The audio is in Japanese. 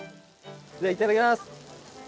じゃあいただきます！